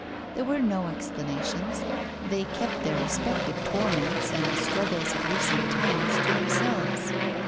There were no explanations; they kept their respective torments and the struggles of recent times to themselves.